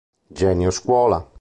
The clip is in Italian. Genio Scuola.